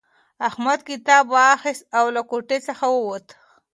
احمد کتاب واخیستی او له کوټې څخه ووتلی.